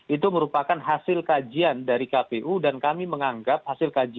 itu merupakan hasil kajian dari kpu dan kami menganggap hasil kajian